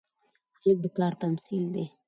هلک د کار تمثیل دی.